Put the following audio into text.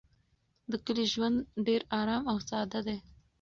د کلي ژوند ډېر ارام او ساده دی.